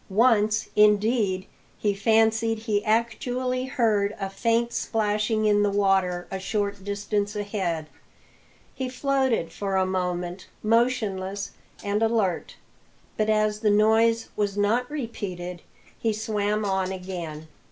Once, indeed, he fancied he actually heard a faint splashing in the water a short distance ahead. He floated for a moment, motionless and alert; but as the noise was not repeated, he swam on again.